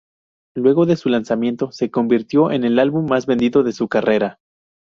Luego de su lanzamiento, se convirtió en el álbum más vendido de su carrera.